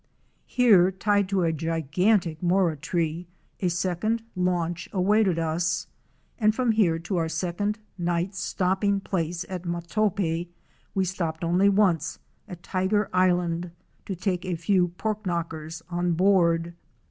Here, tied to a gigantic Mora tree, a second launch awaited us, and from here to our second night's stopping place at Matope we stopped only once, at Tiger Island, to take a few ''pork knockers'"' on board.